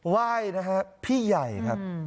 ไหว่พี่หญ่ครับ